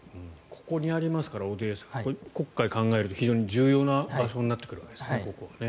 ここにオデーサがありますから黒海を考えると非常に重要な場所になってくるわけですね。